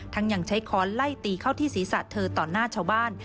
ยังใช้ค้อนไล่ตีเข้าที่ศีรษะเธอต่อหน้าชาวบ้าน